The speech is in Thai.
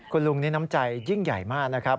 คุณลุงนี่น้ำใจยิ่งใหญ่มากนะครับ